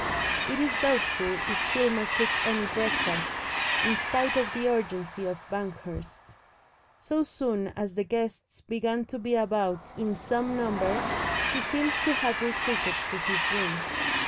It is doubtful if Filmer took any breakfast, in spite of the urgency of Banghurst. So soon as the guests began to be about in some number he seems to have retreated to his room.